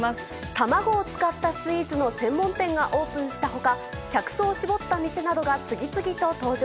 卵を使ったスイーツの専門店がオープンしたほか、客層を絞った店などが次々と登場。